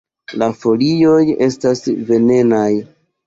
La folioj estas venenaj.